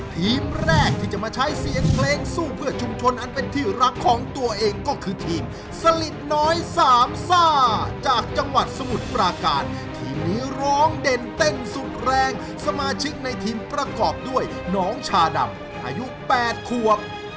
ทีมแรกที่จะมาใช้เสียงเพลงสู้เพื่อชุมชนอันเป็นที่รักของตัวเองก็คือทีมสลิดน้อยสามซ่าจากจังหวัดสมุทรปราการทีมนี้ร้องเด่นเต้นสุดแรงสมาชิกในทีมประกอบด้วยน้องชาดำอายุ๘ขวบ